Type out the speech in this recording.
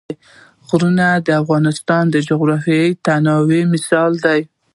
غرونه د افغانستان د جغرافیوي تنوع مثال دی.